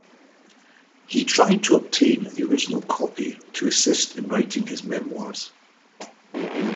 He tried to obtain the original copy to assist in writing his memoirs.